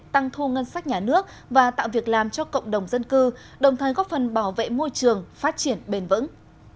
tăng thu ngân sách nhà nước và tạo việc làm cho cộng đồng dân cư đồng thời góp phần bảo vệ môi trường phát triển bền vững